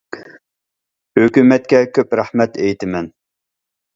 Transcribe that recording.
ھۆكۈمەتكە كۆپ رەھمەت ئېيتىمەن.